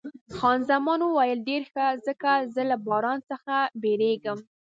خان زمان وویل، ډېر ښه، ځکه زه له باران څخه بیریږم.